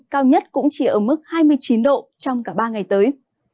cao nhất cũng chỉ ở mức hai mươi chín độ trong cả ba ngày tới